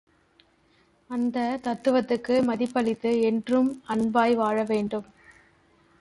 அந்தத் தத்துவத்துக்கு மதிப்பளித்து என்றும் அன்பாய் வாழ வேண்டும்.